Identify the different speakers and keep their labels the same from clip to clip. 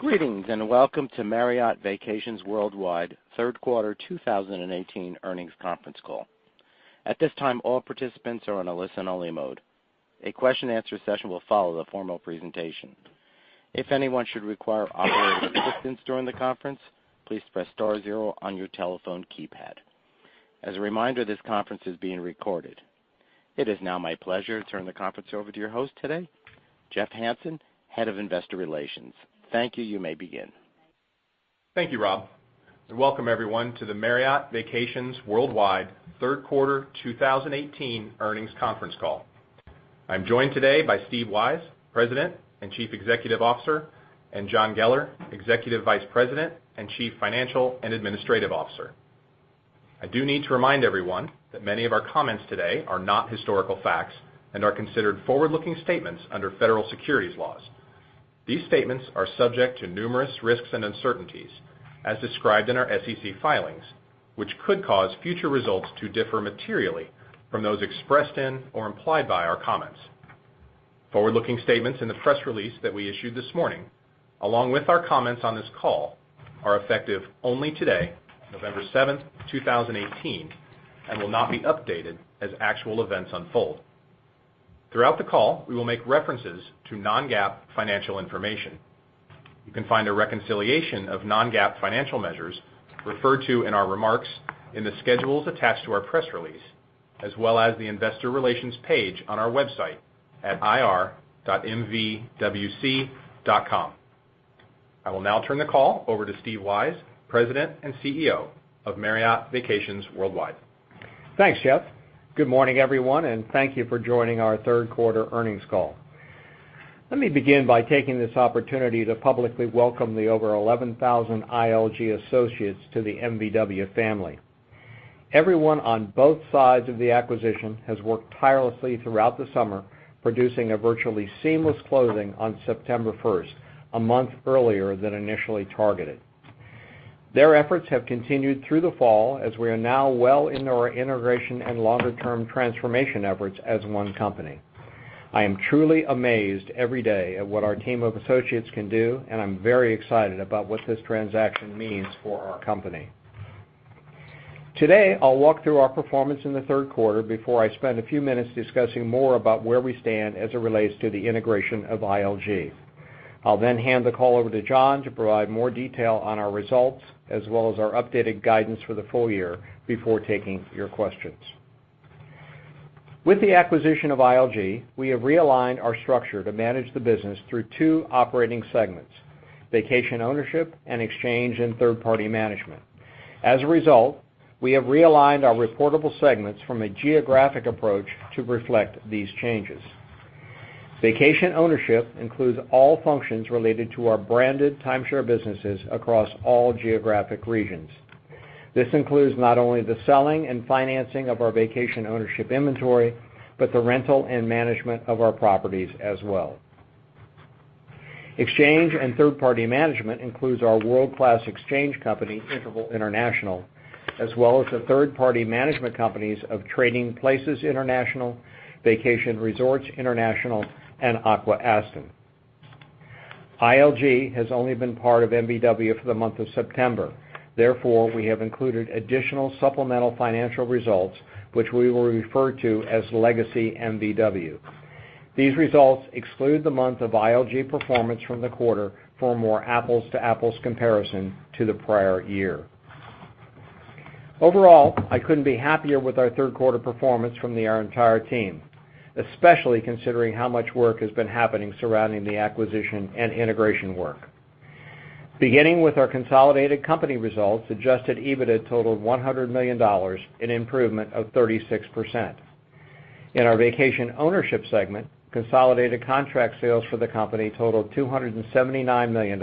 Speaker 1: Greetings, and welcome to Marriott Vacations Worldwide Third Quarter 2018 Earnings Conference Call. At this time, all participants are on a listen-only mode. A question answer session will follow the formal presentation. If anyone should require operating assistance during the conference, please press star zero on your telephone keypad. As a reminder, this conference is being recorded. It is now my pleasure to turn the conference over to your host today, Jeff Hansen, Head of Investor Relations. Thank you. You may begin.
Speaker 2: Thank you, Rob, and welcome everyone to the Marriott Vacations Worldwide third quarter 2018 earnings conference call. I'm joined today by Steve Weisz, President and Chief Executive Officer, and John Geller, Executive Vice President and Chief Financial and Administrative Officer. I do need to remind everyone that many of our comments today are not historical facts and are considered forward-looking statements under federal securities laws. These statements are subject to numerous risks and uncertainties as described in our SEC filings, which could cause future results to differ materially from those expressed in or implied by our comments. Forward-looking statements in the press release that we issued this morning, along with our comments on this call, are effective only today, November 7th, 2018, and will not be updated as actual events unfold. Throughout the call, we will make references to non-GAAP financial information. You can find a reconciliation of non-GAAP financial measures referred to in our remarks in the schedules attached to our press release, as well as the investor relations page on our website at ir.mvwc.com. I will now turn the call over to Steve Weisz, President and CEO of Marriott Vacations Worldwide.
Speaker 3: Thanks, Jeff. Good morning, everyone, and thank you for joining our third quarter earnings call. Let me begin by taking this opportunity to publicly welcome the over 11,000 ILG associates to the MVW family. Everyone on both sides of the acquisition has worked tirelessly throughout the summer, producing a virtually seamless closing on September 1st, a month earlier than initially targeted. Their efforts have continued through the fall as we are now well in our integration and longer-term transformation efforts as one company. I'm truly amazed every day at what our team of associates can do, and I'm very excited about what this transaction means for our company. Today, I'll walk through our performance in the third quarter before I spend a few minutes discussing more about where we stand as it relates to the integration of ILG. I'll then hand the call over to John to provide more detail on our results, as well as our updated guidance for the full year before taking your questions. With the acquisition of ILG, we have realigned our structure to manage the business through two operating segments, Vacation Ownership and Exchange and Third-Party Management. As a result, we have realigned our reportable segments from a geographic approach to reflect these changes. Vacation Ownership includes all functions related to our branded timeshare businesses across all geographic regions. This includes not only the selling and financing of our vacation ownership inventory, but the rental and management of our properties as well. Exchange and Third-Party Management includes our world-class exchange company, Interval International, as well as the third-party management companies of Trading Places International, Vacation Resorts International, and Aqua-Aston Hospitality. ILG has only been part of MVW for the month of September. Therefore, we have included additional supplemental financial results, which we will refer to as legacy MVW. These results exclude the month of ILG performance from the quarter for a more apples-to-apples comparison to the prior year. Overall, I couldn't be happier with our third quarter performance from our entire team, especially considering how much work has been happening surrounding the acquisition and integration work. Beginning with our consolidated company results, adjusted EBITDA totaled $100 million, an improvement of 36%. In our Vacation Ownership segment, consolidated contract sales for the company totaled $279 million,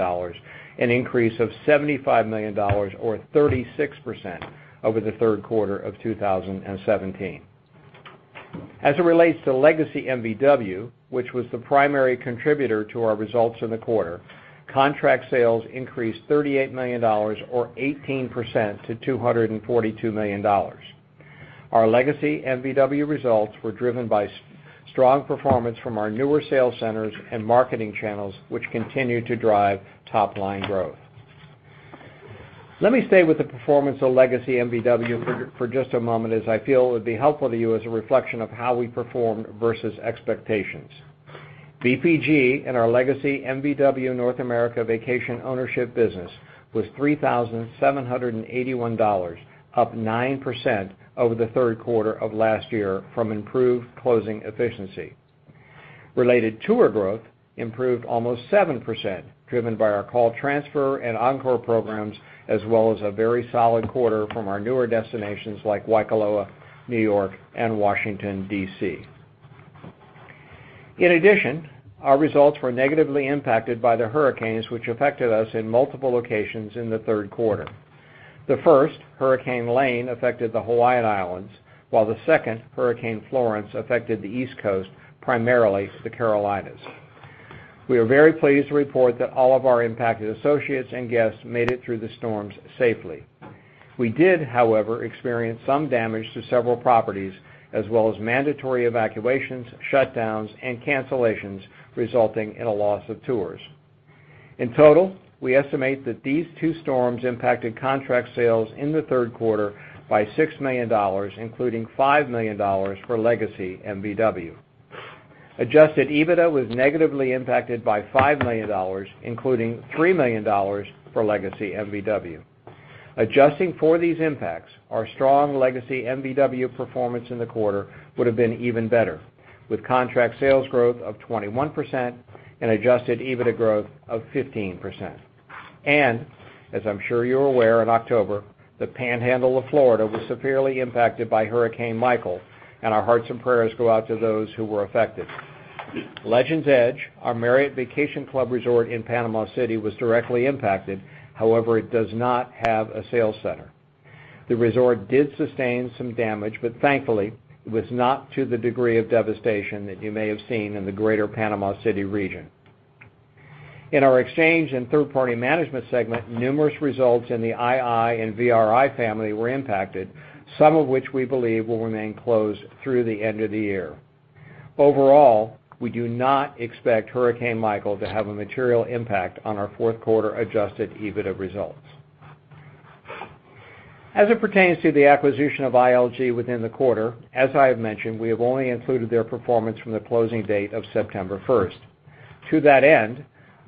Speaker 3: an increase of $75 million, or 36% over the third quarter of 2017. As it relates to legacy MVW, which was the primary contributor to our results in the quarter, contract sales increased $38 million, or 18%, to $242 million. Our legacy MVW results were driven by strong performance from our newer sales centers and marketing channels, which continue to drive top-line growth. Let me stay with the performance of legacy MVW for just a moment, as I feel it would be helpful to you as a reflection of how we performed versus expectations. VPG in our legacy MVW North America vacation ownership business was $3,781, up 9% over the third quarter of last year from improved closing efficiency. Related tour growth improved almost 7%, driven by our call transfer and encore programs, as well as a very solid quarter from our newer destinations like Waikoloa, New York, and Washington, D.C. In addition, our results were negatively impacted by the hurricanes which affected us in multiple locations in the third quarter. The first, Hurricane Lane, affected the Hawaiian Islands, while the second, Hurricane Florence, affected the East Coast, primarily the Carolinas. We are very pleased to report that all of our impacted associates and guests made it through the storms safely. We did, however, experience some damage to several properties as well as mandatory evacuations, shutdowns, and cancellations resulting in a loss of tours. In total, we estimate that these two storms impacted contract sales in the third quarter by $6 million, including $5 million for legacy MVW. Adjusted EBITDA was negatively impacted by $5 million, including $3 million for legacy MVW. Adjusting for these impacts, our strong legacy MVW performance in the quarter would have been even better, with contract sales growth of 21% and adjusted EBITDA growth of 15%. As I'm sure you're aware, in October, the Panhandle of Florida was severely impacted by Hurricane Michael, and our hearts and prayers go out to those who were affected. Legends Edge, our Marriott Vacation Club Resort in Panama City, was directly impacted. However, it does not have a sales center. The resort did sustain some damage, but thankfully, it was not to the degree of devastation that you may have seen in the greater Panama City region. In our exchange and third-party management segment, numerous results in the II and VRI family were impacted, some of which we believe will remain closed through the end of the year. Overall, we do not expect Hurricane Michael to have a material impact on our fourth quarter adjusted EBITDA results. As it pertains to the acquisition of ILG within the quarter, as I have mentioned, we have only included their performance from the closing date of September 1st. To that end,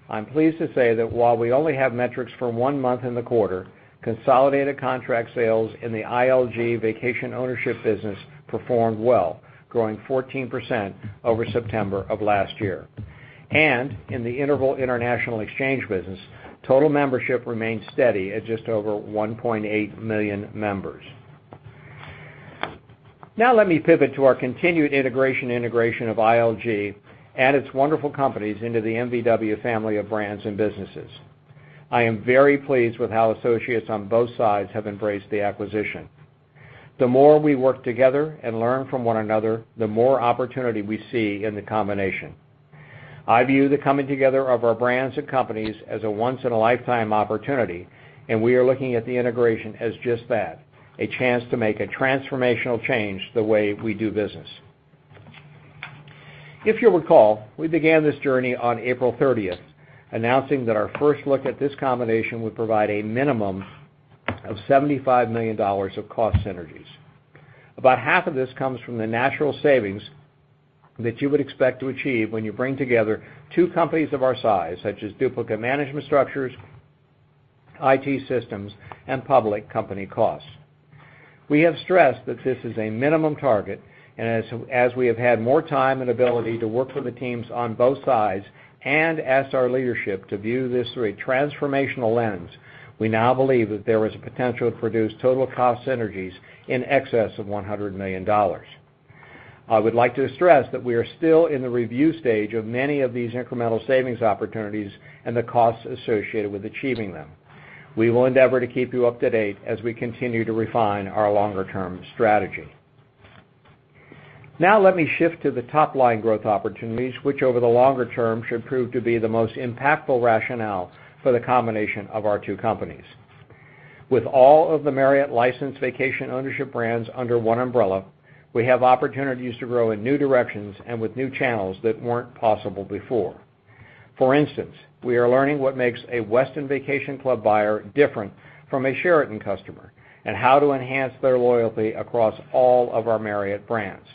Speaker 3: I'm pleased to say that while we only have metrics for one month in the quarter, consolidated contract sales in the ILG vacation ownership business performed well, growing 14% over September of last year. In the Interval International exchange business, total membership remained steady at just over 1.8 million members. Let me pivot to our continued integration and iteration of ILG and its wonderful companies into the MVW family of brands and businesses. I am very pleased with how associates on both sides have embraced the acquisition. The more we work together and learn from one another, the more opportunity we see in the combination. I view the coming together of our brands and companies as a once-in-a-lifetime opportunity. We are looking at the integration as just that, a chance to make a transformational change the way we do business. If you recall, we began this journey on April 30th, announcing that our first look at this combination would provide a minimum of $75 million of cost synergies. About 1/2 of this comes from the natural savings that you would expect to achieve when you bring together two companies of our size, such as duplicate management structures, IT systems, and public company costs. We have stressed that this is a minimum target. As we have had more time and ability to work with the teams on both sides and ask our leadership to view this through a transformational lens, we now believe that there is a potential to produce total cost synergies in excess of $100 million. I would like to stress that we are still in the review stage of many of these incremental savings opportunities and the costs associated with achieving them. We will endeavor to keep you up to date as we continue to refine our longer-term strategy. Let me shift to the top-line growth opportunities, which over the longer term should prove to be the most impactful rationale for the combination of our two companies. With all of the Marriott licensed vacation ownership brands under one umbrella, we have opportunities to grow in new directions and with new channels that weren't possible before. For instance, we are learning what makes a Westin Vacation Club buyer different from a Sheraton customer and how to enhance their loyalty across all of our Marriott brands.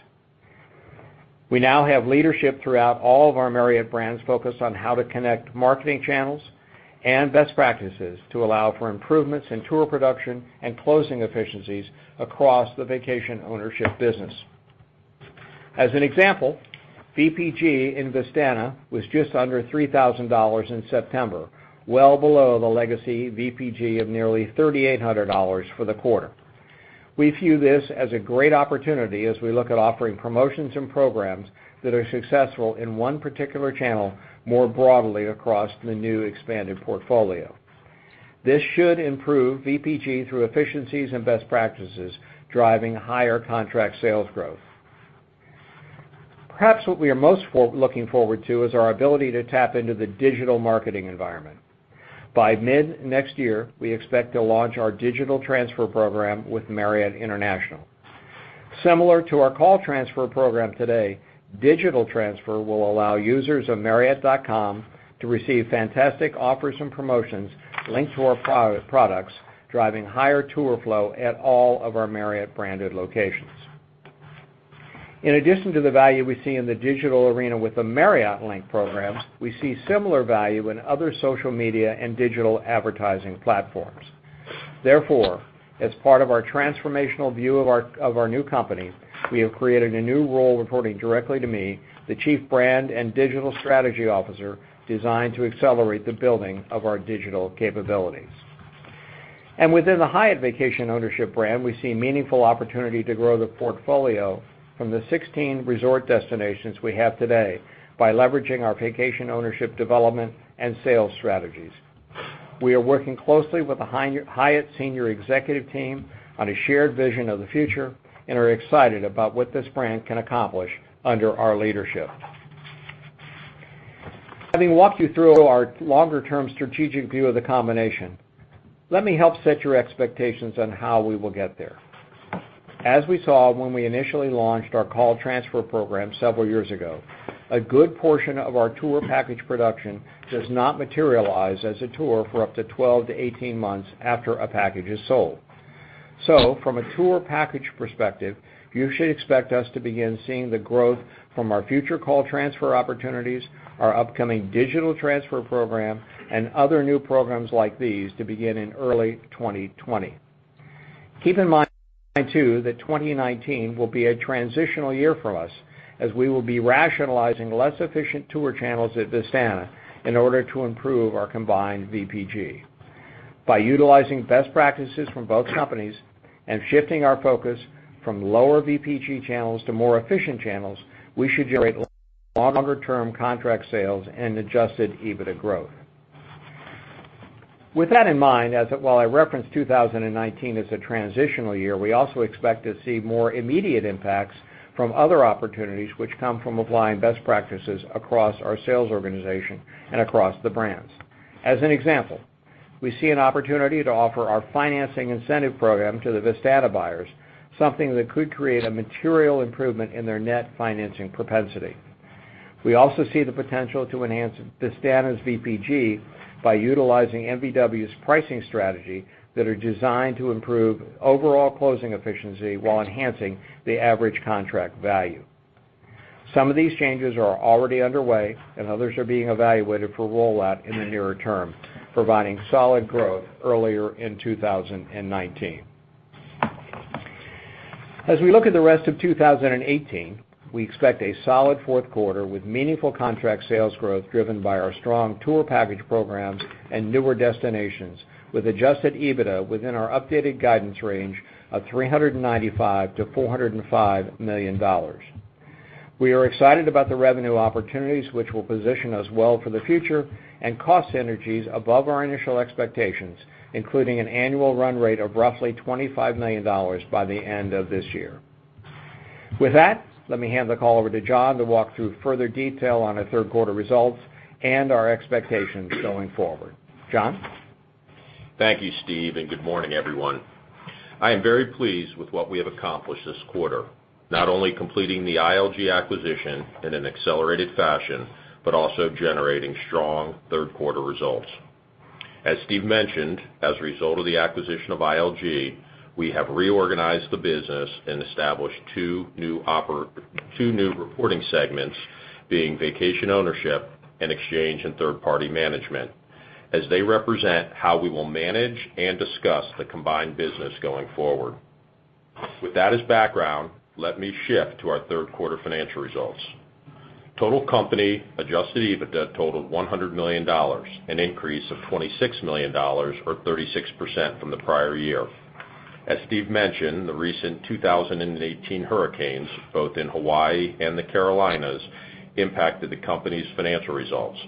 Speaker 3: We now have leadership throughout all of our Marriott brands focused on how to connect marketing channels and best practices to allow for improvements in tour production and closing efficiencies across the vacation ownership business. As an example, VPG in Vistana was just under $3,000 in September, well below the legacy VPG of nearly $3,800 for the quarter. We view this as a great opportunity as we look at offering promotions and programs that are successful in one particular channel more broadly across the new expanded portfolio. This should improve VPG through efficiencies and best practices, driving higher contract sales growth. Perhaps what we are most looking forward to is our ability to tap into the digital marketing environment. By mid-next year, we expect to launch our digital transfer program with Marriott International. Similar to our call transfer program today, digital transfer will allow users of marriott.com to receive fantastic offers and promotions linked to our products, driving higher tour flow at all of our Marriott-branded locations. In addition to the value we see in the digital arena with the Marriott Link program, we see similar value in other social media and digital advertising platforms. Therefore, as part of our transformational view of our new company, we have created a new role reporting directly to me, the Chief Brand and Digital Strategy Officer, designed to accelerate the building of our digital capabilities. Within the Hyatt Vacation Ownership brand, we see meaningful opportunity to grow the portfolio from the 16 resort destinations we have today by leveraging our vacation ownership development and sales strategies. We are working closely with the Hyatt senior executive team on a shared vision of the future and are excited about what this brand can accomplish under our leadership. Having walked you through our longer term strategic view of the combination, let me help set your expectations on how we will get there. As we saw when we initially launched our call transfer program several years ago, a good portion of our tour package production does not materialize as a tour for up to 12-18 months after a package is sold. From a tour package perspective, you should expect us to begin seeing the growth from our future call transfer opportunities, our upcoming digital transfer program, and other new programs like these to begin in early 2020. Keep in mind, too, that 2019 will be a transitional year for us as we will be rationalizing less efficient tour channels at Vistana in order to improve our combined VPG. By utilizing best practices from both companies and shifting our focus from lower VPG channels to more efficient channels, we should generate longer term contract sales and adjusted EBITDA growth. With that in mind, while I referenced 2019 as a transitional year, we also expect to see more immediate impacts from other opportunities which come from applying best practices across our sales organization and across the brands. As an example, we see an opportunity to offer our financing incentive program to the Vistana buyers, something that could create a material improvement in their net financing propensity. We also see the potential to enhance Vistana's VPG by utilizing MVW's pricing strategy that are designed to improve overall closing efficiency while enhancing the average contract value. Some of these changes are already underway and others are being evaluated for rollout in the nearer term, providing solid growth earlier in 2019. As we look at the rest of 2018, we expect a solid fourth quarter with meaningful contract sales growth driven by our strong tour package programs and newer destinations with adjusted EBITDA within our updated guidance range of $395 million-$405 million. We are excited about the revenue opportunities which will position us well for the future and cost synergies above our initial expectations, including an annual run rate of roughly $25 million by the end of this year. With that, let me hand the call over to John to walk through further detail on our third quarter results and our expectations going forward. John?
Speaker 4: Thank you, Steve, good morning, everyone. I am very pleased with what we have accomplished this quarter, not only completing the ILG acquisition in an accelerated fashion, but also generating strong third quarter results. As Steve mentioned, as a result of the acquisition of ILG, we have reorganized the business and established two new reporting segments, being vacation ownership and exchange and third-party management, as they represent how we will manage and discuss the combined business going forward. With that as background, let me shift to our third quarter financial results. Total company adjusted EBITDA totaled $100 million, an increase of $26 million or 36% from the prior year. As Steve mentioned, the recent 2018 hurricanes, both in Hawaii and the Carolinas, impacted the company's financial results.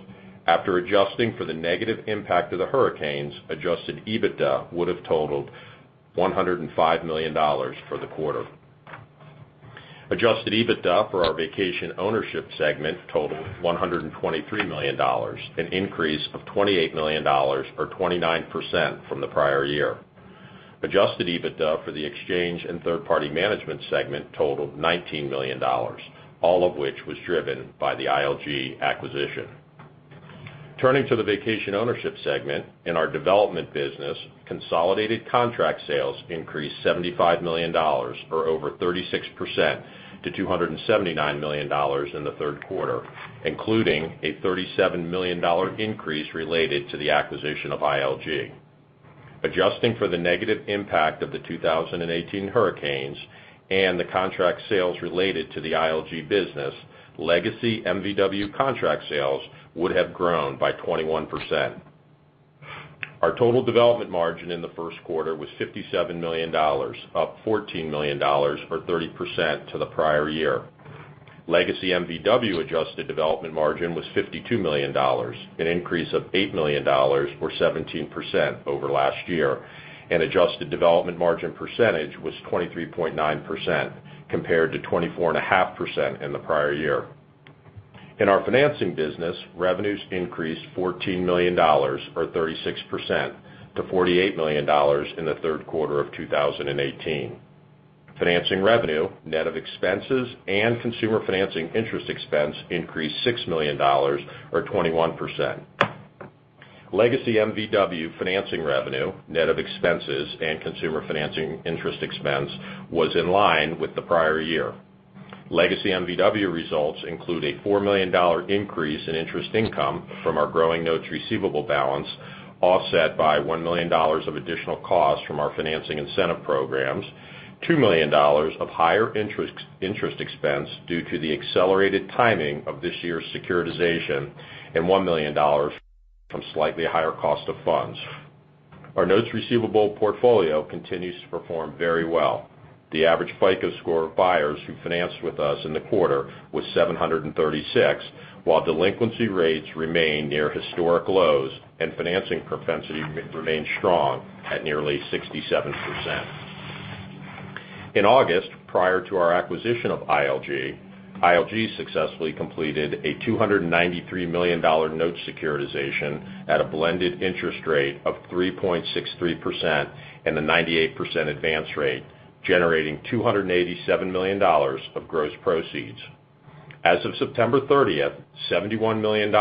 Speaker 4: After adjusting for the negative impact of the hurricanes, adjusted EBITDA would have totaled $105 million for the quarter. Adjusted EBITDA for our vacation ownership segment totaled $123 million, an increase of $28 million or 29% from the prior year. Adjusted EBITDA for the exchange and third-party management segment totaled $19 million, all of which was driven by the ILG acquisition. Turning to the vacation ownership segment, in our development business, consolidated contract sales increased $75 million or over 36% to $279 million in the third quarter, including a $37 million increase related to the acquisition of ILG. Adjusting for the negative impact of the 2018 hurricanes and the contract sales related to the ILG business, legacy MVW contract sales would have grown by 21%. Our total development margin in the first quarter was $57 million, up $14 million or 30% to the prior year. Legacy MVW adjusted development margin was $52 million, an increase of $8 million or 17% over last year, and adjusted development margin percentage was 23.9% compared to 24.5% in the prior year. In our financing business, revenues increased $14 million or 36% to $48 million in the third quarter of 2018. Financing revenue, net of expenses and consumer financing interest expense increased $6 million or 21%. Legacy MVW financing revenue, net of expenses and consumer financing interest expense, was in line with the prior year. Legacy MVW results include a $4 million increase in interest income from our growing notes receivable balance, offset by $1 million of additional costs from our financing incentive programs, $2 million of higher interest expense due to the accelerated timing of this year's securitization, and $1 million from slightly higher cost of funds. Our notes receivable portfolio continues to perform very well. The average FICO score of buyers who financed with us in the quarter was 736, while delinquency rates remain near historic lows and financing propensity remains strong at nearly 67%. In August, prior to our acquisition of ILG successfully completed a $293 million note securitization at a blended interest rate of 3.63% and a 98% advance rate, generating $287 million of gross proceeds. As of September 30th, $71 million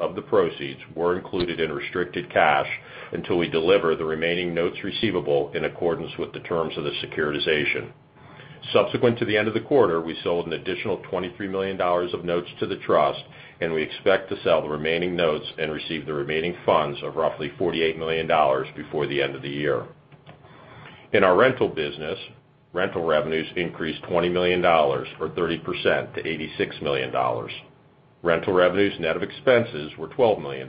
Speaker 4: of the proceeds were included in restricted cash until we deliver the remaining notes receivable in accordance with the terms of the securitization. Subsequent to the end of the quarter, we sold an additional $23 million of notes to the trust, and we expect to sell the remaining notes and receive the remaining funds of roughly $48 million before the end of the year. In our rental business, rental revenues increased $20 million or 30% to $86 million. Rental revenues net of expenses were $12 million,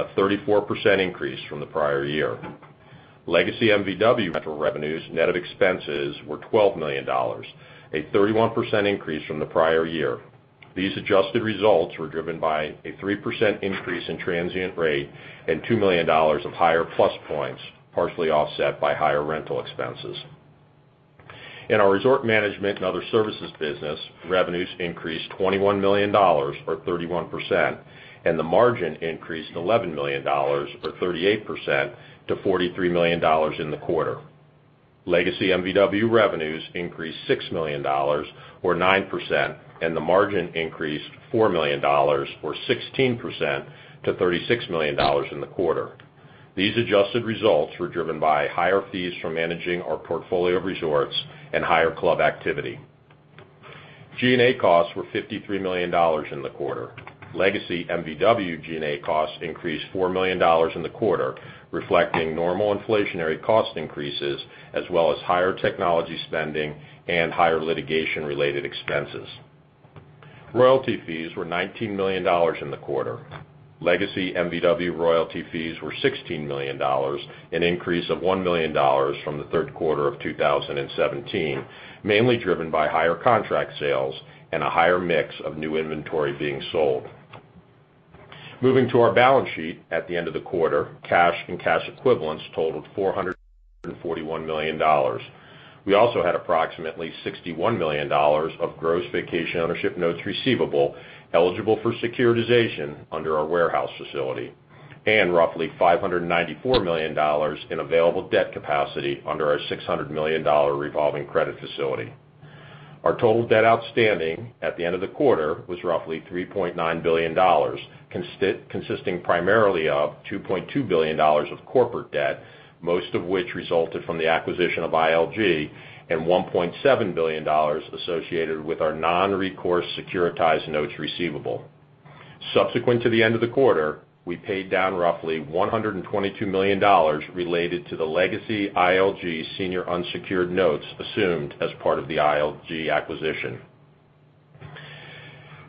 Speaker 4: a 34% increase from the prior year. Legacy MVW rental revenues net of expenses were $12 million, a 31% increase from the prior year. These adjusted results were driven by a 3% increase in transient rate and $2 million of higher plus points, partially offset by higher rental expenses. In our resort management and other services business, revenues increased $21 million or 31%, and the margin increased $11 million or 38% to $43 million in the quarter. Legacy MVW revenues increased $6 million or 9%, and the margin increased $4 million or 16% to $36 million in the quarter. These adjusted results were driven by higher fees from managing our portfolio of resorts and higher club activity. G&A costs were $53 million in the quarter. Legacy MVW G&A costs increased $4 million in the quarter, reflecting normal inflationary cost increases as well as higher technology spending and higher litigation-related expenses. Royalty fees were $19 million in the quarter. Legacy MVW royalty fees were $16 million, an increase of $1 million from the third quarter of 2017, mainly driven by higher contract sales and a higher mix of new inventory being sold. Moving to our balance sheet at the end of the quarter, cash and cash equivalents totaled $441 million. We also had approximately $61 million of gross vacation ownership notes receivable eligible for securitization under our warehouse facility, and roughly $594 million in available debt capacity under our $600 million revolving credit facility. Our total debt outstanding at the end of the quarter was roughly $3.9 billion, consisting primarily of $2.2 billion of corporate debt, most of which resulted from the acquisition of ILG, and $1.7 billion associated with our non-recourse securitized notes receivable. Subsequent to the end of the quarter, we paid down roughly $122 million related to the legacy ILG senior unsecured notes assumed as part of the ILG acquisition.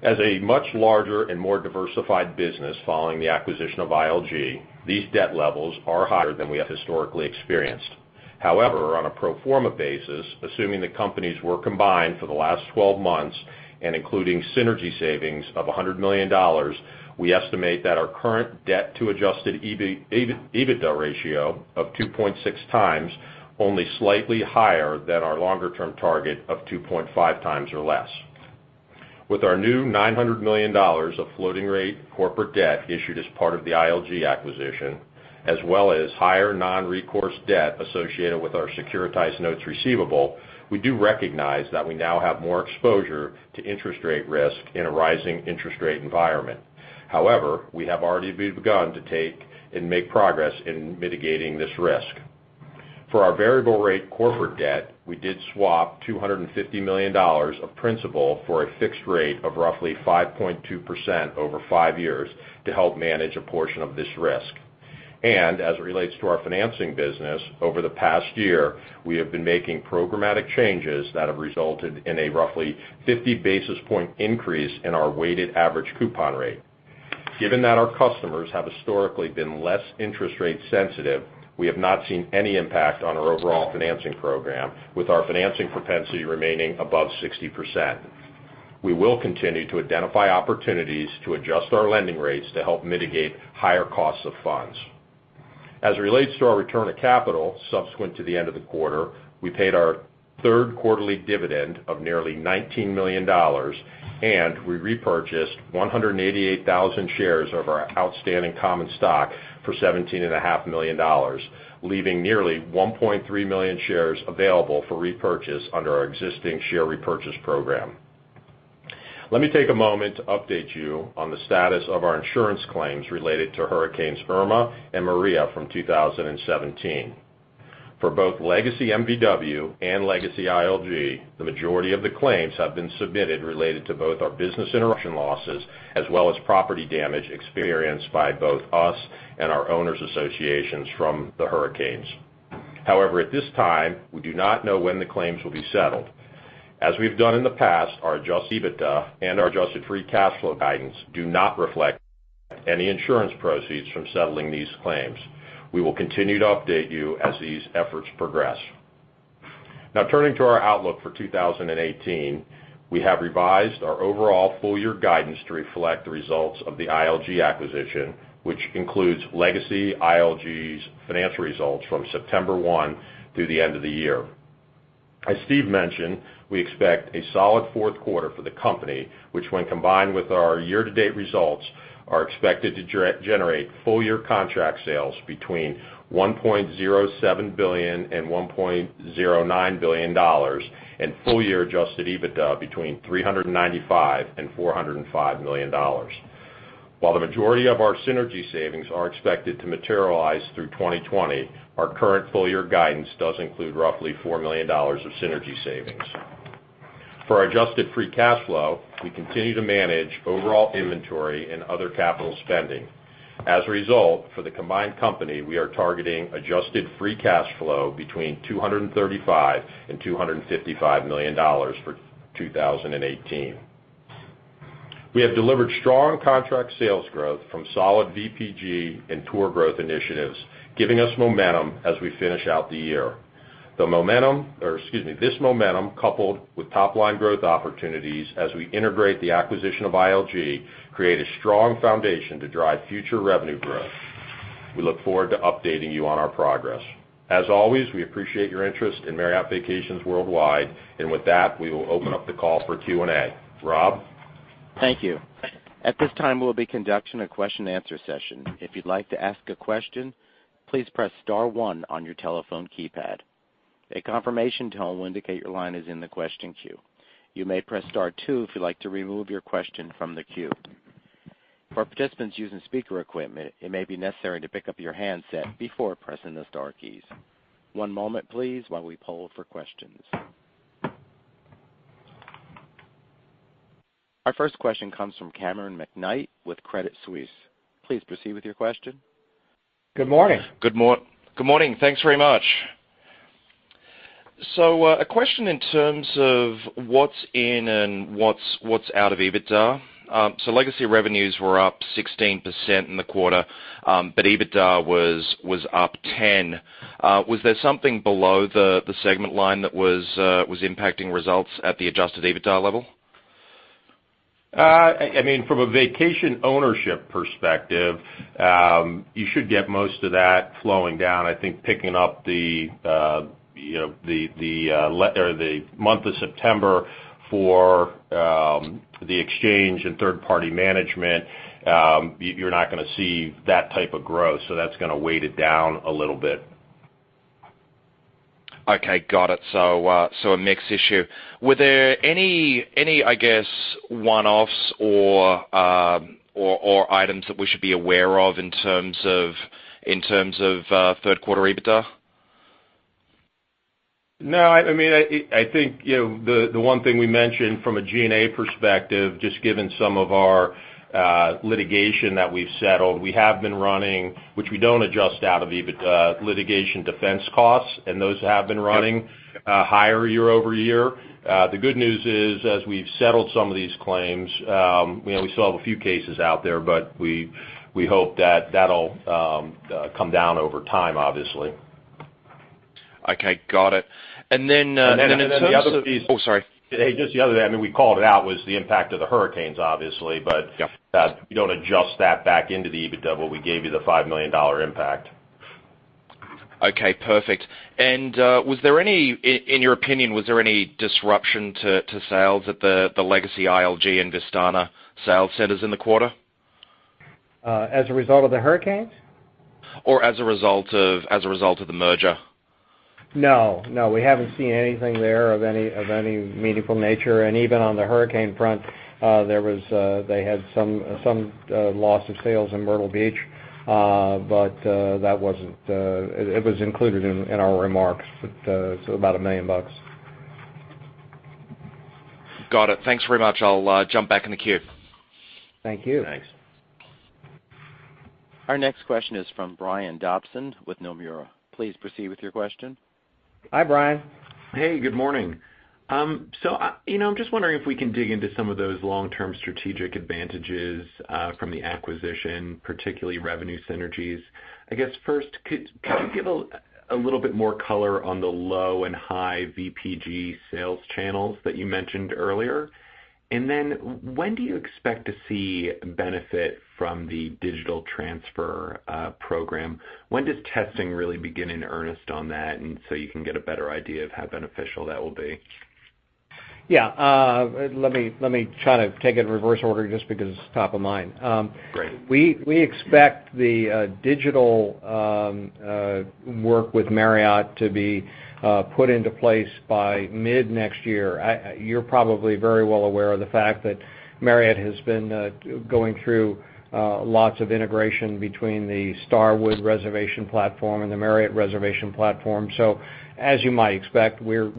Speaker 4: As a much larger and more diversified business following the acquisition of ILG, these debt levels are higher than we have historically experienced. However, on a pro forma basis, assuming the companies were combined for the last 12 months and including synergy savings of $100 million, we estimate that our current debt to adjusted EBITDA ratio of 2.6x, only slightly higher than our longer-term target of 2.5x or less. With our new $900 million of floating-rate corporate debt issued as part of the ILG acquisition, as well as higher non-recourse debt associated with our securitized notes receivable, we do recognize that we now have more exposure to interest rate risk in a rising interest rate environment. However, we have already begun to take and make progress in mitigating this risk. For our variable rate corporate debt, we did swap $250 million of principal for a fixed rate of roughly 5.2% over five years to help manage a portion of this risk. As it relates to our financing business, over the past year, we have been making programmatic changes that have resulted in a roughly 50-basis point increase in our weighted average coupon rate. Given that our customers have historically been less interest rate sensitive, we have not seen any impact on our overall financing program, with our financing propensity remaining above 60%. We will continue to identify opportunities to adjust our lending rates to help mitigate higher costs of funds. As it relates to our return of capital, subsequent to the end of the quarter, we paid our third quarterly dividend of nearly $19 million, and we repurchased 188,000 shares of our outstanding common stock for $17.5 million, leaving nearly 1.3 million shares available for repurchase under our existing share repurchase program. Let me take a moment to update you on the status of our insurance claims related to Hurricanes Irma and Maria from 2017. For both legacy MVW and legacy ILG, the majority of the claims have been submitted related to both our business interruption losses as well as property damage experienced by both us and our owners' associations from the hurricanes. However, at this time, we do not know when the claims will be settled. As we've done in the past, our adjusted EBITDA and our adjusted free cash flow guidance do not reflect any insurance proceeds from settling these claims. We will continue to update you as these efforts progress. Turning to our outlook for 2018, we have revised our overall full-year guidance to reflect the results of the ILG acquisition, which includes legacy ILG's financial results from September 1 through the end of the year. As Steve mentioned, we expect a solid fourth quarter for the company, which when combined with our year-to-date results, are expected to generate full-year contract sales between $1.07 billion and $1.09 billion, and full-year adjusted EBITDA between $395 million and $405 million. While the majority of our synergy savings are expected to materialize through 2020, our current full-year guidance does include roughly $4 million of synergy savings. For our adjusted free cash flow, we continue to manage overall inventory and other capital spending. As a result, for the combined company, we are targeting adjusted free cash flow between $235 million and $255 million for 2018. We have delivered strong contract sales growth from solid VPG and tour growth initiatives, giving us momentum as we finish out the year. This momentum, coupled with top-line growth opportunities as we integrate the acquisition of ILG, create a strong foundation to drive future revenue growth. We look forward to updating you on our progress. As always, we appreciate your interest in Marriott Vacations Worldwide. With that, we will open up the call for Q&A. Rob?
Speaker 1: Thank you. At this time, we'll be conducting a question-and-answer session. If you'd like to ask a question, please press star one on your telephone keypad. A confirmation tone will indicate your line is in the question queue. You may press star two if you'd like to remove your question from the queue. For participants using speaker equipment, it may be necessary to pick up your handset before pressing the star keys. One moment please while we poll for questions. Our first question comes from Cameron McKnight with Credit Suisse. Please proceed with your question.
Speaker 3: Good morning.
Speaker 5: Good morning. Thanks very much. A question in terms of what's in and what's out of EBITDA. Legacy revenues were up 16% in the quarter, but EBITDA was up 10%. Was there something below the segment line that was impacting results at the adjusted EBITDA level?
Speaker 4: From a vacation ownership perspective, you should get most of that flowing down. I think picking up the month of September for the exchange and third-party management, you're not going to see that type of growth. That's going to weight it down a little bit.
Speaker 5: Okay. Got it. A mix issue. Were there any one-offs or items that we should be aware of in terms of third-quarter EBITDA?
Speaker 4: No. I think the one thing we mentioned from a G&A perspective, just given some of our litigation that we've settled, we have been running, which we don't adjust out of EBITDA, litigation defense costs.
Speaker 5: Yep
Speaker 4: And those up and running higher year-over-year. The good news is, as we've settled some of these claims, we still have a few cases out there, but we hope that that'll come down over time, obviously.
Speaker 5: Okay. Got it. In terms of-
Speaker 4: The other piece-
Speaker 5: Sorry.
Speaker 4: Hey, just the other, we called it out, was the impact of the hurricanes, obviously.
Speaker 5: Yep.
Speaker 4: You don't adjust that back into the EBITDA, but we gave you the $5 million impact.
Speaker 5: Okay, perfect. In your opinion, was there any disruption to sales at the legacy ILG and Vistana sales centers in the quarter?
Speaker 3: As a result of the hurricanes?
Speaker 5: As a result of the merger?
Speaker 3: No. We haven't seen anything there of any meaningful nature. Even on the hurricane front, they had some loss of sales in Myrtle Beach. It was included in our remarks. It's about $1 million.
Speaker 5: Got it. Thanks very much. I'll jump back in the queue.
Speaker 3: Thank you.
Speaker 4: Thanks.
Speaker 1: Our next question is from Brian Dobson with Nomura. Please proceed with your question.
Speaker 3: Hi, Brian.
Speaker 6: Hey, good morning. I'm just wondering if we can dig into some of those long-term strategic advantages from the acquisition, particularly revenue synergies. I guess, first, could you give a little bit more color on the low and high VPG sales channels that you mentioned earlier? Then when do you expect to see benefit from the digital transfer program? When does testing really begin in earnest on that and so you can get a better idea of how beneficial that will be?
Speaker 3: Yeah. Let me try to take it in reverse order just because it's top of mind.
Speaker 6: Great.
Speaker 3: We expect the digital work with Marriott to be put into place by mid-next year. You're probably very well aware of the fact that Marriott has been going through lots of integration between the Starwood reservation platform and the Marriott reservation platform. As you might expect, we're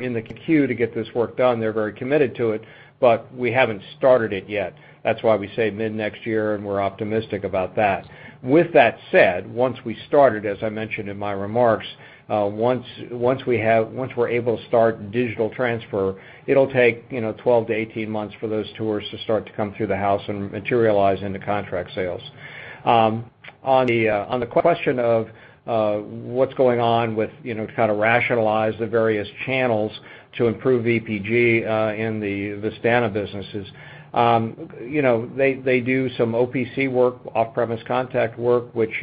Speaker 3: in the queue to get this work done. They're very committed to it, but we haven't started it yet. That's why we say mid-next year, and we're optimistic about that. With that said, once we started, as I mentioned in my remarks, once we're able to start digital transfer, it'll take 12-18 months for those tours to start to come through the house and materialize into contract sales. On the question of what's going on with kind of rationalize the various channels to improve VPG in the Vistana businesses. They do some OPC work, off-premises contact work, which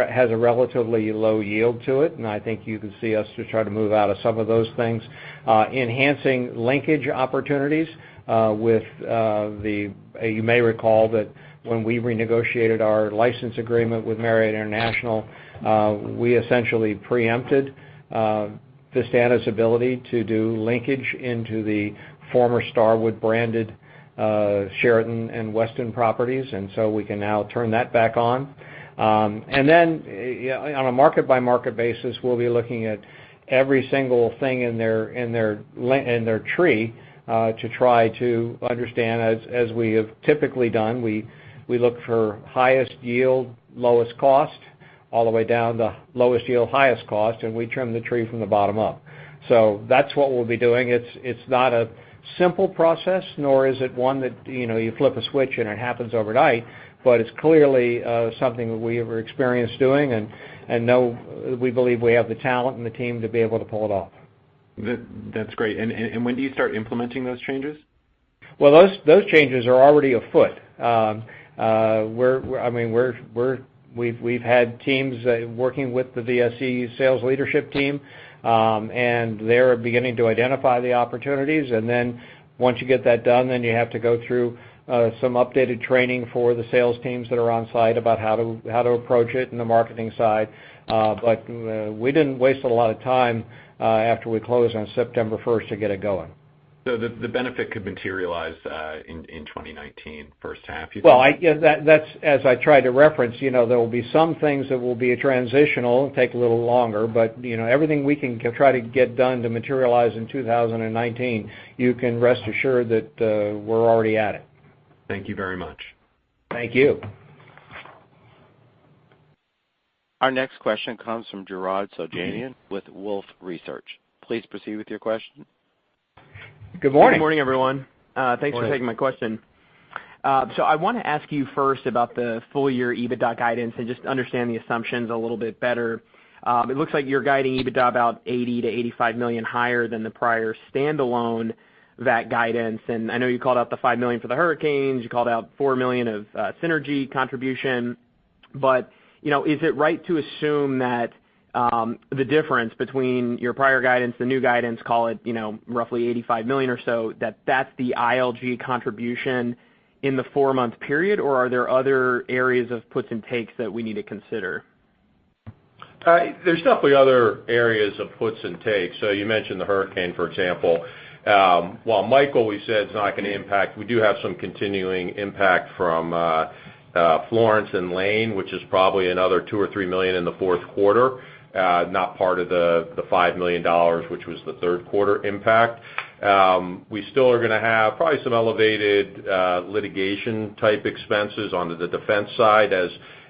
Speaker 3: has a relatively low yield to it, and I think you can see us to try to move out of some of those things, enhancing linkage opportunities with the, you may recall that when we renegotiated our license agreement with Marriott International, we essentially preempted Vistana's ability to do linkage into the former Starwood branded Sheraton and Westin properties, and so we can now turn that back on. On a market-by-market basis, we'll be looking at every single thing in their tree to try to understand, as we have typically done, we look for highest yield, lowest cost, all the way down to lowest yield, highest cost, and we trim the tree from the bottom up. That's what we'll be doing. It's not a simple process, nor is it one that you flip a switch and it happens overnight, but it's clearly something that we were experienced doing and know we believe we have the talent and the team to be able to pull it off.
Speaker 6: That's great. When do you start implementing those changes?
Speaker 3: Those changes are already afoot. We've had teams working with the VSE sales leadership team, and they're beginning to identify the opportunities, and then once you get that done, then you have to go through some updated training for the sales teams that are on site about how to approach it on the marketing side. We didn't waste a lot of time after we closed on September 1st to get it going.
Speaker 6: The benefit could materialize in 2019, first half you think?
Speaker 3: As I tried to reference, there will be some things that will be transitional and take a little longer, everything we can try to get done to materialize in 2019, you can rest assured that we're already at it.
Speaker 6: Thank you very much.
Speaker 3: Thank you.
Speaker 1: Our next question comes from Jared Shojaian with Wolfe Research. Please proceed with your question.
Speaker 3: Good morning.
Speaker 7: Good morning, everyone.
Speaker 3: Morning.
Speaker 7: Thanks for taking my question. I want to ask you first about the full year EBITDA guidance and just understand the assumptions a little bit better. It looks like you're guiding EBITDA about $80 million-$85 million higher than the prior standalone, that guidance. I know you called out the $5 million for the hurricanes, you called out $4 million of synergy contribution. Is it right to assume that the difference between your prior guidance, the new guidance, call it roughly $85 million or so, that that's the ILG contribution in the four-month period, or are there other areas of puts and takes that we need to consider?
Speaker 4: There's definitely other areas of puts and takes. You mentioned the hurricane, for example. While Michael we said is not going to impact, we do have some continuing impact from Florence and Lane, which is probably another $2 million-$3 million in the fourth quarter, not part of the $5 million, which was the third quarter impact. We still are going to have probably some elevated litigation type expenses on the defense side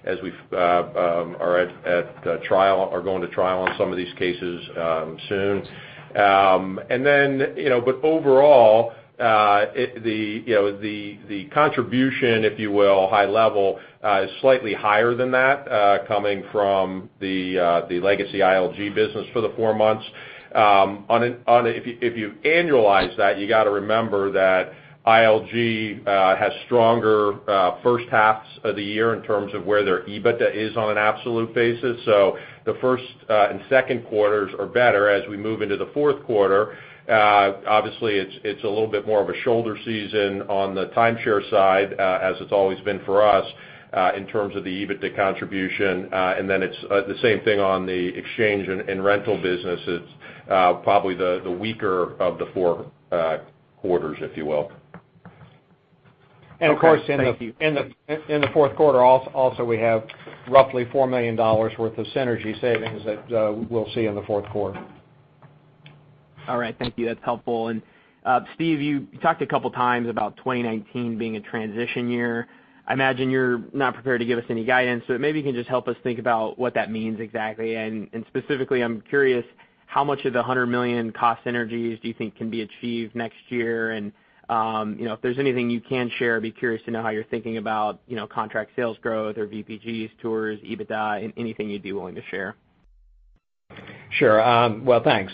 Speaker 4: as we are at trial or going to trial on some of these cases soon. Overall, the contribution, if you will, high level, is slightly higher than that coming from the legacy ILG business for the four months. If you annualize that, you got to remember that ILG has stronger first halves of the year in terms of where their EBITDA is on an absolute basis. The first and second quarters are better as we move into the fourth quarter. Obviously, it's a little bit more of a shoulder season on the timeshare side, as it's always been for us in terms of the EBITDA contribution. It's the same thing on the exchange and rental businesses, probably the weaker of the four quarters, if you will.
Speaker 7: Okay. Thank you.
Speaker 4: Of course, in the fourth quarter also, we have roughly $4 million worth of synergy savings that we'll see in the fourth quarter.
Speaker 7: All right. Thank you. That's helpful. Steve, you talked a couple of times about 2019 being a transition year. I imagine you're not prepared to give us any guidance, maybe you can just help us think about what that means exactly. Specifically, I'm curious how much of the $100 million cost synergies do you think can be achieved next year, and if there's anything you can share, I'd be curious to know how you're thinking about contract sales growth or VPGs, tours, EBITDA, anything you'd be willing to share.
Speaker 3: Sure. Well, thanks.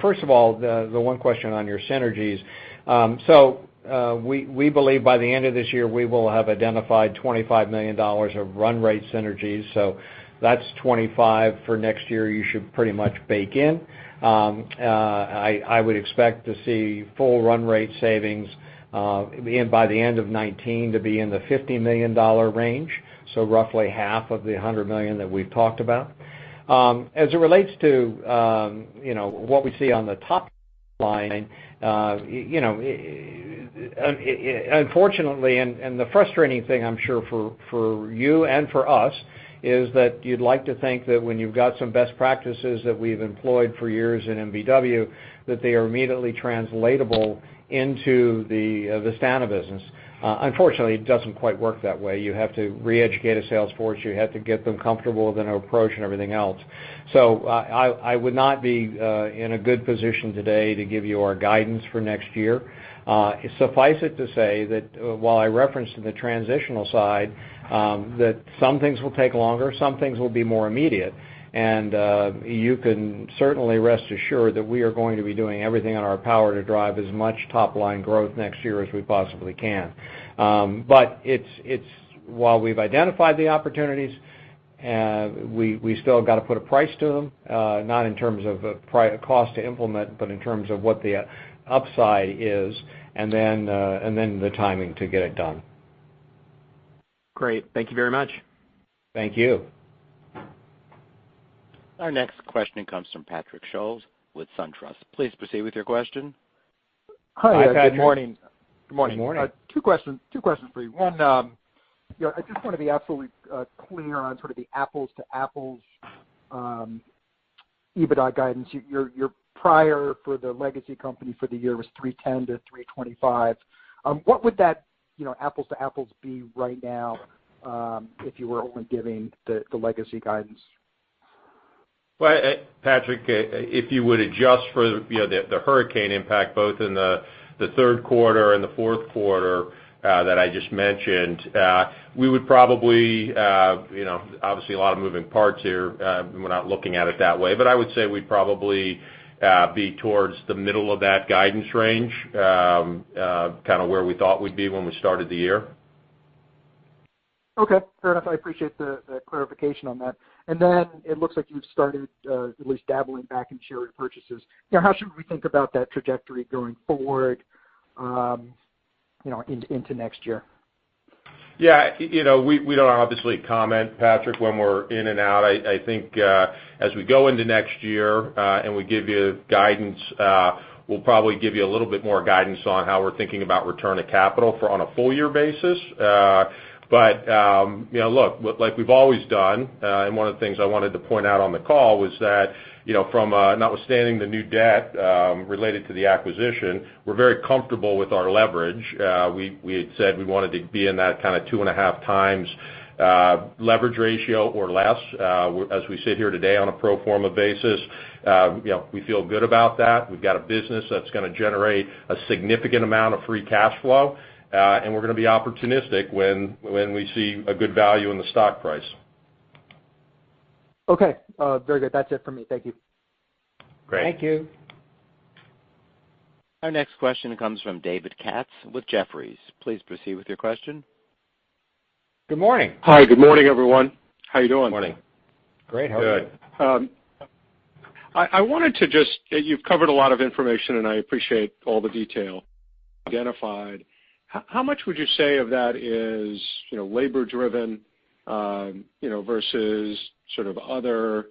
Speaker 3: First of all, the one question on your synergies. We believe by the end of this year, we will have identified $25 million of run rate synergies. That's $25 for next year you should pretty much bake in. I would expect to see full run rate savings by the end of 2019 to be in the $50 million range, roughly 1/2 of the $100 million that we've talked about. As it relates to what we see on the top line, unfortunately, and the frustrating thing I'm sure for you and for us is that you'd like to think that when you've got some best practices that we've employed for years in MVW, that they are immediately translatable into the Vistana business. Unfortunately, it doesn't quite work that way. You have to re-educate a sales force. You have to get them comfortable with a new approach and everything else. I would not be in a good position today to give you our guidance for next year. Suffice it to say that while I referenced the transitional side, that some things will take longer, some things will be more immediate. You can certainly rest assured that we are going to be doing everything in our power to drive as much top-line growth next year as we possibly can. While we've identified the opportunities We still got to put a price to them, not in terms of cost to implement, but in terms of what the upside is, and then the timing to get it done.
Speaker 7: Great. Thank you very much.
Speaker 3: Thank you.
Speaker 1: Our next question comes from Patrick Scholes with SunTrust. Please proceed with your question.
Speaker 3: Hi, Patrick.
Speaker 4: Hi, Patrick.
Speaker 8: Good morning.
Speaker 3: Good morning.
Speaker 8: Two questions for you. One, I just want to be absolutely clear on sort of the apples-to-apples EBITDA guidance. Your prior for the legacy company for the year was $310-$325. What would that apples-to-apples be right now, if you were only giving the legacy guidance?
Speaker 4: Patrick, if you would adjust for the hurricane impact, both in the third quarter and the fourth quarter that I just mentioned, we would probably, obviously, a lot of moving parts here, we're not looking at it that way. I would say we'd probably be towards the middle of that guidance range, kind of where we thought we'd be when we started the year.
Speaker 8: Okay, fair enough. I appreciate the clarification on that. It looks like you've started at least dabbling back in share repurchases. How should we think about that trajectory going forward into next year?
Speaker 4: Yeah. We don't obviously comment, Patrick, when we're in and out. I think as we go into next year, and we give you guidance, we'll probably give you a little bit more guidance on how we're thinking about return of capital on a full-year basis. Look, like we've always done, and one of the things I wanted to point out on the call was that, from notwithstanding the new debt related to the acquisition, we're very comfortable with our leverage. We had said we wanted to be il that kind of 2.5x leverage ratio or less. As we sit here today on a pro forma basis, we feel good about that. We've got a business that's going to generate a significant amount of free cash flow. We're going to be opportunistic when we see a good value in the stock price.
Speaker 8: Okay. Very good. That's it for me. Thank you.
Speaker 4: Great. Thank you.
Speaker 1: Our next question comes from David Katz with Jefferies. Please proceed with your question.
Speaker 3: Good morning.
Speaker 9: Hi. Good morning, everyone. How you doing?
Speaker 3: Morning. Great. How are you?
Speaker 9: Good. I wanted to just. You've covered a lot of information, and I appreciate all the detail. Identified, how much would you say of that is labor driven versus sort of other,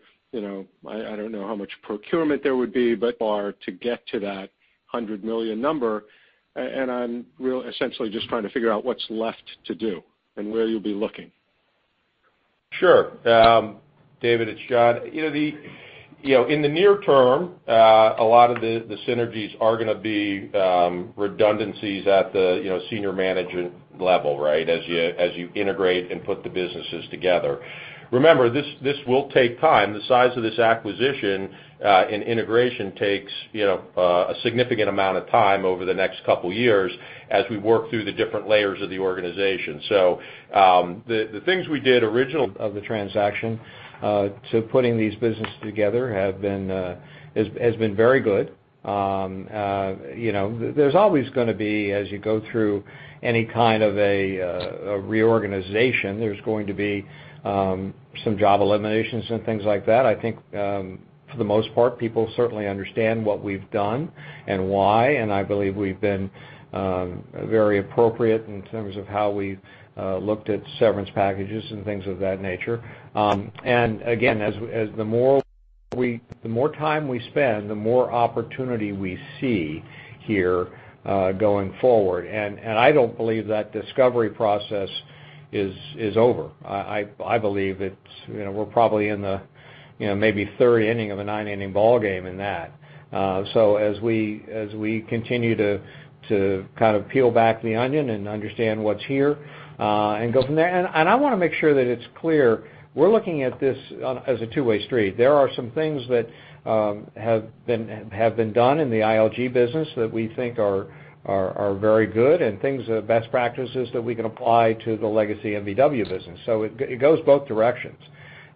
Speaker 9: I don't know how much procurement there would be, but bar to get to that $100 million number. I'm essentially just trying to figure out what's left to do and where you'll be looking.
Speaker 4: Sure. David, it's John. In the near term, a lot of the synergies are going to be redundancies at the senior management level, right? As you integrate and put the businesses together. Remember, this will take time. The size of this acquisition and integration takes a significant amount of time over the next couple of years as we work through the different layers of the organization. The things we did originally of the transaction to putting these businesses together has been very good. There's always going to be, as you go through any kind of a reorganization, there's going to be some job eliminations and things like that. I think, for the most part, people certainly understand what we've done and why, and I believe we've been very appropriate in terms of how we've looked at severance packages and things of that nature. Again, the more time we spend, the more opportunity we see here going forward. I don't believe that discovery process is over. I believe we're probably in the maybe third inning of a nine-inning ballgame in that. As we continue to kind of peel back the onion and understand what's here and go from there. I want to make sure that it's clear we're looking at this as a two-way street. There are some things that have been done in the ILG business that we think are very good and things, best practices that we can apply to the legacy MVW business. It goes both directions.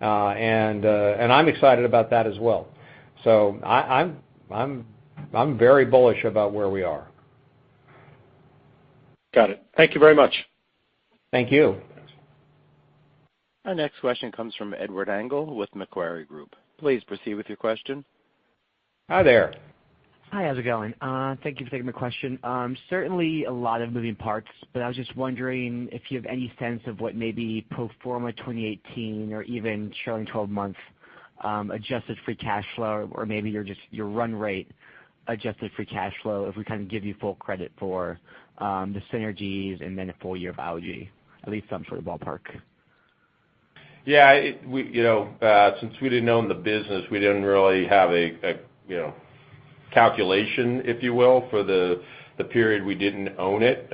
Speaker 4: I'm excited about that as well. I'm very bullish about where we are.
Speaker 9: Got it. Thank you very much.
Speaker 3: Thank you.
Speaker 1: Our next question comes from Edward Engel with Macquarie Group. Please proceed with your question.
Speaker 3: Hi there.
Speaker 10: Hi. How's it going? Thank you for taking my question. Certainly, a lot of moving parts. I was just wondering if you have any sense of what maybe pro forma 2018 or even trailing 12 months adjusted free cash flow or maybe your run rate adjusted free cash flow if we kind of give you full credit for the synergies and then a full year of ILG, at least some sort of ballpark.
Speaker 4: Yeah. Since we didn't own the business, we didn't really have a calculation, if you will, for the period we didn't own it.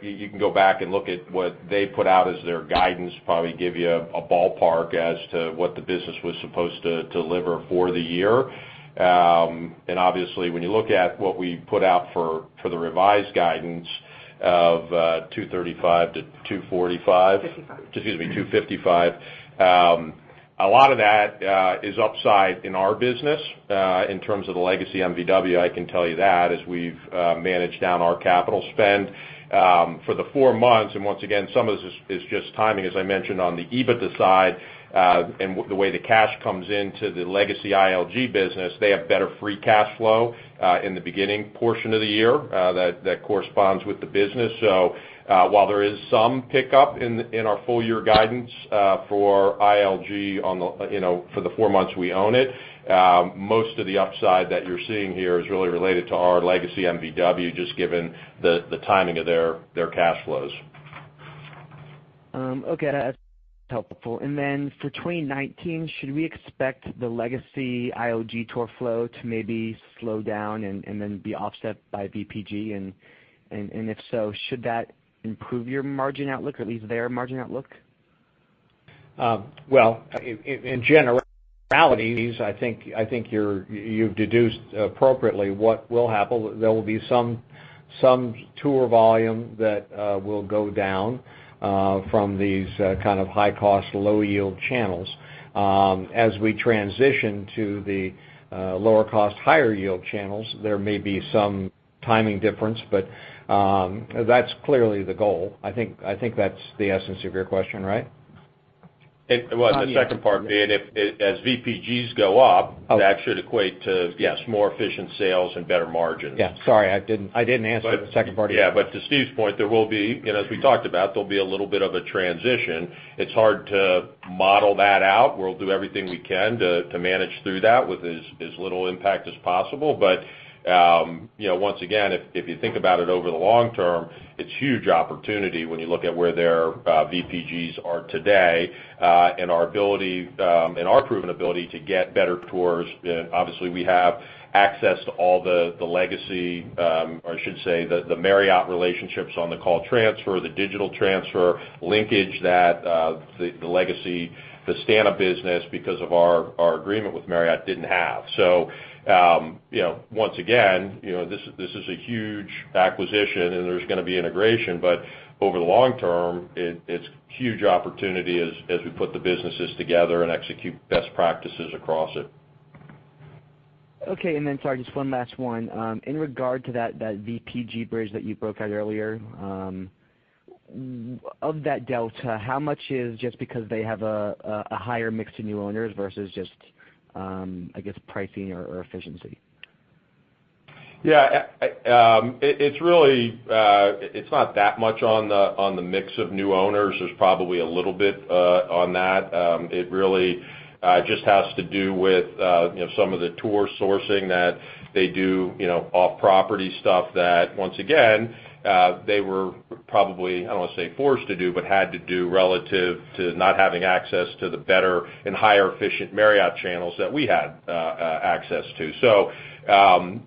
Speaker 4: You can go back and look at what they put out as their guidance, probably give you a ballpark as to what the business was supposed to deliver for the year. Obviously, when you look at what we put out for the revised guidance of $235-$245-
Speaker 3: $255.
Speaker 4: Excuse me, $255. A lot of that is upside in our business, in terms of the legacy MVW. I can tell you that as we've managed down our capital spend for the four months, and once again, some of this is just timing, as I mentioned, on the EBITDA side, and the way the cash comes into the legacy ILG business, they have better free cash flow in the beginning portion of the year that corresponds with the business. While there is some pickup in our full year guidance for ILG for the four months we own it, most of the upside that you're seeing here is really related to our legacy MVW, just given the timing of their cash flows.
Speaker 10: Okay. That's helpful. For 2019, should we expect the legacy ILG tour flow to maybe slow down and then be offset by VPG? If so, should that improve your margin outlook, at least their margin outlook?
Speaker 3: Well, in generalities, I think you've deduced appropriately what will happen. There will be some tour volume that will go down from these kind of high-cost, low-yield channels. As we transition to the lower cost, higher yield channels, there may be some timing difference, but that's clearly the goal. I think that's the essence of your question, right?
Speaker 4: Well, the second part being if as VPGs go up,
Speaker 10: Okay.
Speaker 4: That should equate to.
Speaker 3: Yes.
Speaker 4: More efficient sales and better margins.
Speaker 3: Sorry, I didn't answer the second part of your question.
Speaker 4: To Steve's point, as we talked about, there'll be a little bit of a transition. It's hard to model that out. We'll do everything we can to manage through that with as little impact as possible. Once again, if you think about it over the long term, it's huge opportunity when you look at where their VPGs are today, and our proven ability to get better tours. Obviously, we have access to all the legacy, or I should say, the Marriott relationships on the call transfer, the digital transfer linkage that the legacy, the standup business because of our agreement with Marriott didn't have. Once again this is a huge acquisition, and there's going to be integration, but over the long term, it's huge opportunity as we put the businesses together and execute best practices across it.
Speaker 10: Okay. Sorry, just one last one. In regard to that VPG bridge that you broke out earlier, of that delta, how much is just because they have a higher mix of new owners versus just, I guess, pricing or efficiency?
Speaker 4: It's not that much on the mix of new owners. There's probably a little bit on that. It really just has to do with some of the tour sourcing that they do off property stuff that once again, they were probably, I don't want to say forced to do but had to do relative to not having access to the better and higher efficient Marriott channels that we had access to.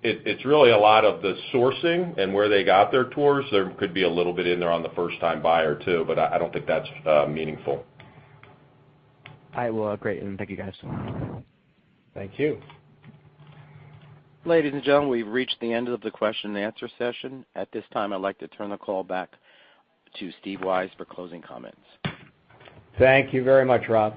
Speaker 4: It's really a lot of the sourcing and where they got their tours. There could be a little bit in there on the first-time buyer too, but I don't think that's meaningful.
Speaker 10: All right. Well, great. Thank you, guys.
Speaker 3: Thank you.
Speaker 1: Ladies and gentlemen, we've reached the end of the question-and-answer session. At this time, I'd like to turn the call back to Steve Weisz for closing comments.
Speaker 3: Thank you very much, Rob.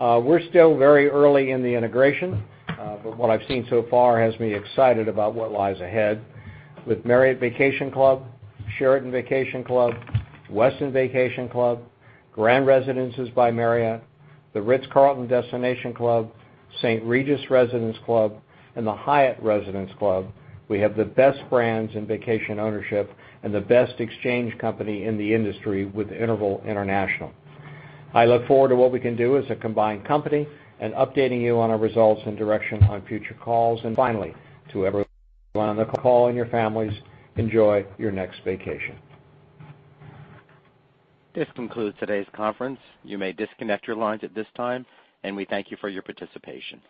Speaker 3: We're still very early in the integration, but what I've seen so far has me excited about what lies ahead with Marriott Vacation Club, Sheraton Vacation Club, Westin Vacation Club, Grand Residences by Marriott, The Ritz-Carlton Destination Club, St. Regis Residence Club, and the Hyatt Residence Club. We have the best brands in vacation ownership and the best exchange company in the industry with Interval International. I look forward to what we can do as a combined company and updating you on our results and direction on future calls. Finally, to everyone on the call and your families, enjoy your next vacation.
Speaker 1: This concludes today's conference. You may disconnect your lines at this time. We thank you for your participation